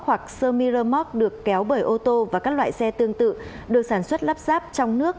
hoặc semi remote được kéo bởi ô tô và các loại xe tương tự được sản xuất lắp ráp trong nước